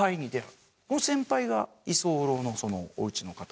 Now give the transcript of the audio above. この先輩が居候のそのお家の方？